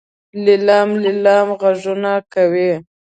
لیلام لیلام غږونه کوي.